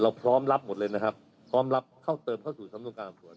เราพร้อมรับหมดเลยนะครับพร้อมรับเข้าเติมเข้าสู่ชำตรงกำคมส่วน